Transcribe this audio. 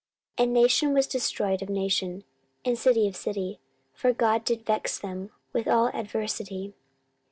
14:015:006 And nation was destroyed of nation, and city of city: for God did vex them with all adversity.